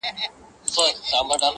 توپاني سوه ډوبېدو ته سوه تیاره.!